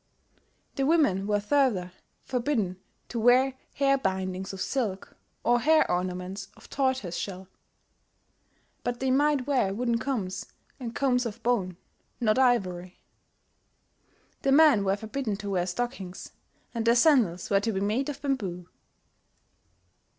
The women were further forbidden to wear hair bindings of silk, or hair ornaments of tortoise shells; but they might wear wooden combs and combs of bone not ivory. The men were forbidden to wear stockings, and their sandals were to be made of bamboo.